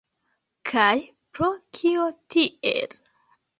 Kaj pro kio tiel?